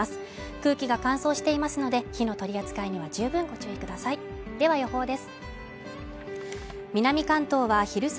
空気が乾燥していますので火の取り扱いには十分ご注意くださいでは予報です